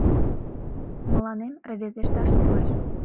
Мыланем рвезешташ кӱлеш.